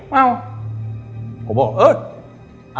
ผมบอกเออ